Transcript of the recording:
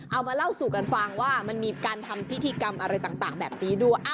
เอามาเล่าสู่กันฟังว่ามันมีการทำพิธีกรรมอะไรต่างแบบนี้ด้วย